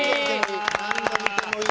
何度見てもいい。